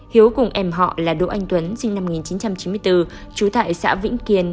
hiếu cùng em họ là đỗ anh tuấn sinh năm một nghìn chín trăm chín mươi bốn trú tại xã vĩnh kiên